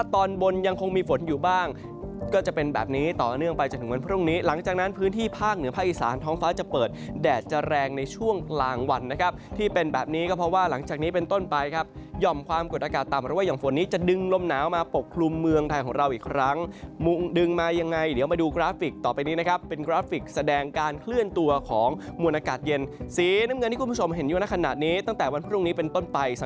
ที่เป็นแบบนี้ก็เพราะว่าหลังจากนี้เป็นต้นไปครับย่อมความเกิดอากาศต่ำหรือว่ายอมฝนนี้จะดึงลมหนาวมาปกครุมเมืองไทยของเราอีกครั้งดึงมายังไงเดี๋ยวมาดูกราฟิกต่อไปนี้นะครับเป็นกราฟิกแสดงการเคลื่อนตัวของมวลอากาศเย็นสีน้ำเงินที่คุณผู้ชมเห็นอยู่ในขณะนี้ตั้งแต่วันพรุ่งนี้เป็น